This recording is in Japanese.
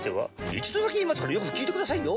一度だけ言いますからよく聞いてくださいよ。